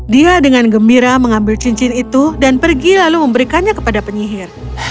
dia dengan gembira mengambil cincin itu dan pergi lalu memberikannya kepada penyihir